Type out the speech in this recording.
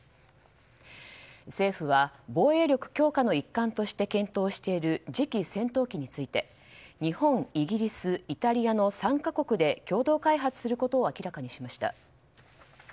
政府は防衛力強化の一環として検討している次期戦闘機について日本、イギリス、イタリアの３か国で共同開発することを明らかにしました。